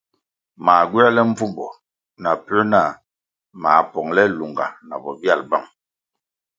Mā gywēle mbvumbo na puē nah mā pongʼle lunga na bobyal bang.